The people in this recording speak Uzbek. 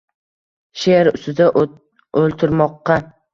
She’r ustida o’ltirmoqqa